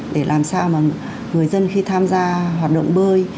để làm sao mà người dân khi tham gia hoạt động bơi